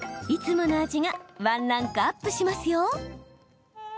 いつもの味がワンランクアップしますよ。